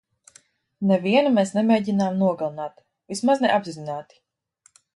Nevienu mēs nemēģinām nogalināt, vismaz ne apzināti.